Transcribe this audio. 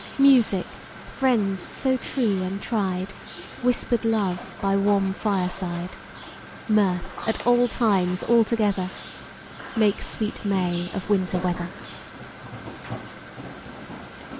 Music, friends so true and tried, Whisper'd love by warm fireside, Mirth at all times all together, Make sweet May of Winter weather.